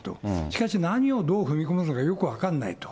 しかし何をどう踏み込むのかよく分からないと。